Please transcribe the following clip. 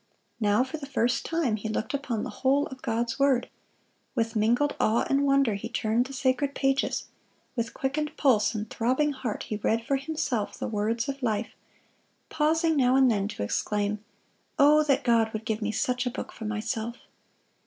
Now, for the first time, he looked upon the whole of God's word. With mingled awe and wonder he turned the sacred pages; with quickened pulse and throbbing heart he read for himself the words of life, pausing now and then to exclaim, "O that God would give me such a book for myself!"